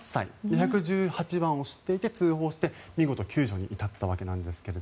１１８番を知っていて通報して見事、救助に至ったわけなんですが。